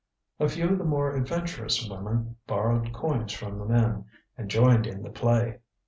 A few of the more adventurous women borrowed coins from the men, and joined in the play.